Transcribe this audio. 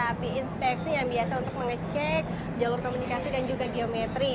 api inspeksi yang biasa untuk mengecek jalur komunikasi dan juga geometri